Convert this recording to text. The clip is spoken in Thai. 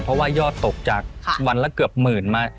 เพราะว่ายอดตกจากวันละเกือบหมื่นมา